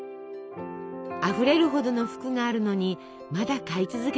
あふれるほどの服があるのにまだ買い続けている。